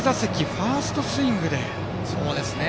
ファーストスイングで。